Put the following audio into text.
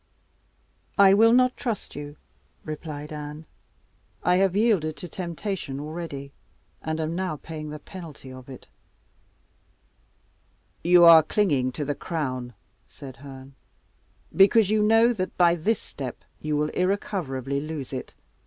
"I will not trust you," replied Anne. "I have yielded to temptation already, and am now paying the penalty of it." "You are clinging to the crown," said Herne, "because you know that by this step you will irrecoverably lose it.